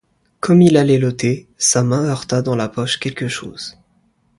Comme il allait l’ôter, sa main heurta dans la poche quelque chose.